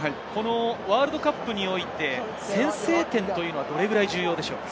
ワールドカップにおいて、先制点というのはどれくらい重要でしょうか？